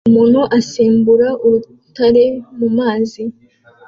Umuntu asimbuka urutare mumazi